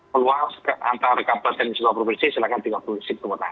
keluar antara kabupaten dan sebuah provinsi silahkan dikabupati kemudian